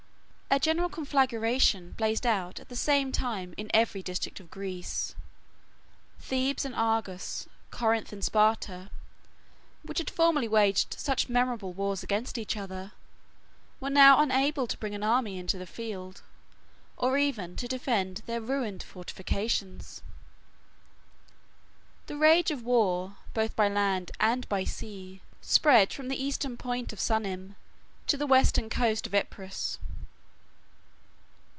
A general conflagration blazed out at the same time in every district of Greece. Thebes and Argos, Corinth and Sparta, which had formerly waged such memorable wars against each other, were now unable to bring an army into the field, or even to defend their ruined fortifications. The rage of war, both by land and by sea, spread from the eastern point of Sunium to the western coast of Epirus.